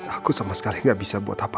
aku sama sekali ga bisa buat apa apa